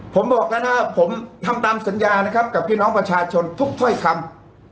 ผมบอกแล้วนะครับผมทำตามสัญญานะครับกับพี่น้องประชาชนทุกถ้อยคำ